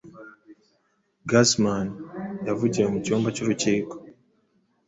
Guzman yavugiye mu cyumba cy’urukiko